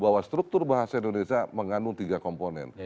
bahwa struktur bahasa indonesia mengandung tiga komponen